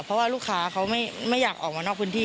เพราะว่าลูกค้าเขาไม่อยากออกมานอกพื้นที่